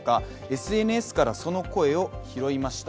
ＳＮＳからその声を拾いました。